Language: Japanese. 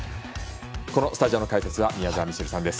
このスタジオの解説は宮澤ミシェルさんです。